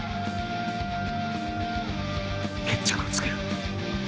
決着をつける。